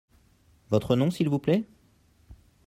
Votre nom, s'il vous plait ?